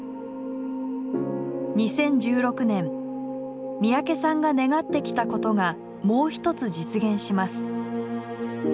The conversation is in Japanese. あの三宅さんが願ってきたことがもう一つ実現します。